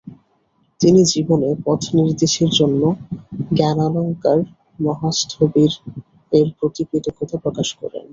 তিনি জীবনে পথনির্দেশের জন্য জ্ঞানালঙ্কার মহাস্থবির এর প্রতি কৃতজ্ঞতা প্রকাশ করেন।